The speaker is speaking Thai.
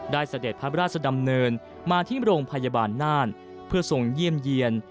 เสด็จพระราชดำเนินมาที่โรงพยาบาลน่านเพื่อทรงเยี่ยมเยี่ยน